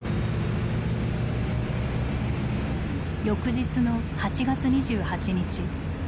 翌日の８月２８日。